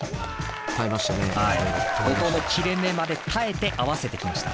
音の切れ目まで耐えて合わせてきました。